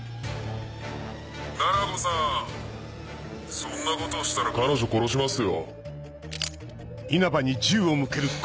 そんなことをしたら彼女殺しますよ。